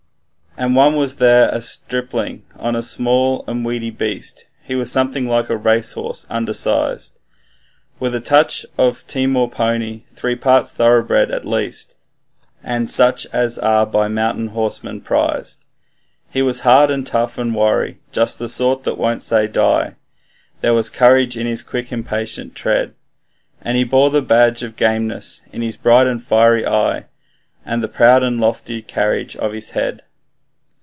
And one was there, a stripling on a small and weedy beast, He was something like a racehorse undersized, With a touch of Timor pony three parts thoroughbred at least And such as are by mountain horsemen prized. He was hard and tough and wiry just the sort that won't say die There was courage in his quick impatient tread; And he bore the badge of gameness in his bright and fiery eye, And the proud and lofty carriage of his head.